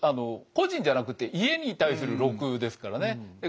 個人じゃなくて家に対する禄ですからね。